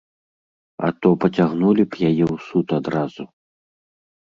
А то пацягнулі б яе ў суд адразу.